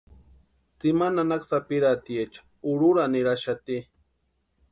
Tsimani nanaka sapirhatiecha urhurani niraxati.